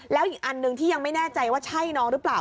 แล้วอีกอันหนึ่งที่ยังไม่แน่ใจว่าใช่น้องหรือเปล่า